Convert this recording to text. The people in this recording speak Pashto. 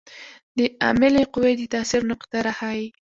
د عاملې قوې د تاثیر نقطه راښيي.